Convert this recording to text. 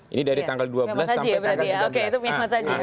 ini dari tanggal dua belas sampai tanggal sembilan belas